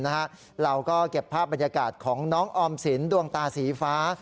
เราก็เก็บภาพบรรยากาศของน้องออมสินดวงตาสีฟ้า